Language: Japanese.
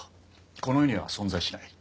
この世には存在しない。